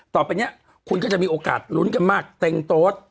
ต่อไปนี้คุณก็จะมีโอกาสลุ้นกันมากเต็งโต๊ด